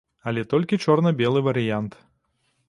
Але толькі чорна-белы варыянт.